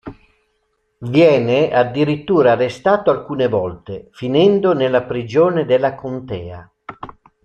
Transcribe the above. Viene addirittura arrestato alcune volte, finendo nella prigione della contea.